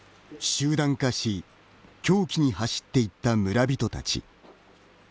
集団化し狂気に走っていった村人たち。